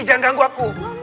jangan ganggu aku